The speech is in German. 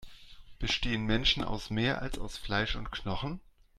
Bestehen Menschen aus mehr, als aus Fleisch und Knochen?